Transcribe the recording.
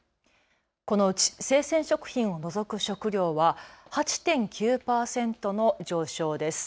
このうち生鮮食品を除く食料は８．９％の上昇です。